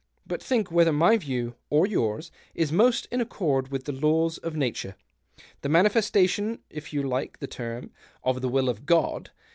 But think whether my view or yours is most in accord with the laws of Nature, the manifestation, if you like the term, of ' the will of God.'